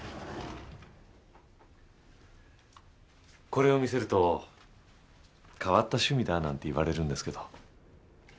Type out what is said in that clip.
これを見せると変わった趣味だなんていわれるんですけど。